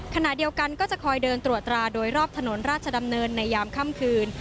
ขณะเดียวกันก็จะคอยเดินตรวจตราโดยรอบถนนราชดำเนินในยามค่ำคืน